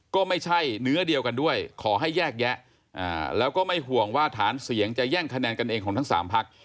ก็ไม่ใช่เนื้อเดียวกันด้วยขอให้แยกแยะแล้วก็ไม่ห่วงว่าฐานเสียงจะแย่งคะแนนกันเองของทั้ง๓พัก